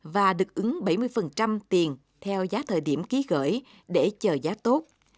và được ứng bảy mươi tiền theo giá thời điểm ký gửi để chờ giá tốt